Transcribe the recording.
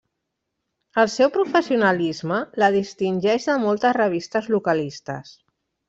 El seu professionalisme la distingeix de moltes revistes localistes.